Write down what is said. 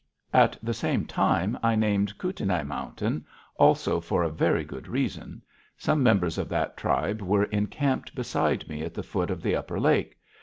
At the same time I named Kootenai Mountain, also for a very good reason. Some members of that tribe were encamped beside me at the foot of the upper lake.